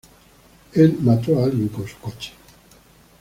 Él mató a alguien con su coche.